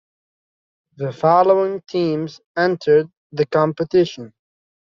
The following teams entered the competition.